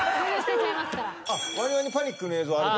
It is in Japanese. ワニワニパニックの映像あると？